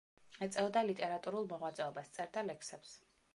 ეწეოდა ლიტერატურულ მოღვაწეობას, წერდა ლექსებს.